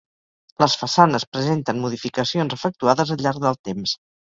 Les façanes presenten modificacions efectuades al llarg del temps.